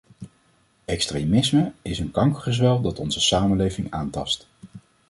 Extremisme is een kankergezwel dat onze samenleving aantast.